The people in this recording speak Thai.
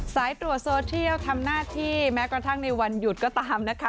สายตรวจโซเทียลทำหน้าที่แม้กระทั่งในวันหยุดก็ตามนะคะ